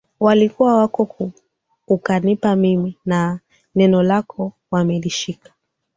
walikuwa wako ukanipa mimi na neno lako wamelishika